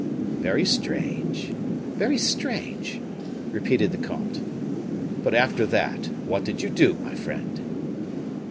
"Very strange! very strange!" repeated the comte. "But after that, what did you do, my friend?"